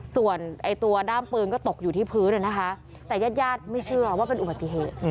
ส่วนตัวด้ามปืนก็ตกอยู่ที่พื้นนะคะแต่ญาติญาติไม่เชื่อว่าเป็นอุบัติเหตุ